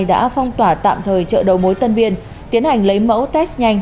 đã phong tỏa tạm thời chợ đầu mối tân biên tiến hành lấy mẫu test nhanh